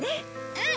うん！